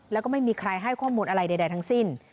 แล้วก็ไม่มีใครให้ข้อมูลอะไรใดทั้งสิ้น